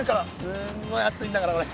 すんごい熱いんだからこれ。